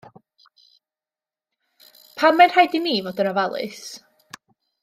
Pam mae'n rhaid i ni fod yn ofalus?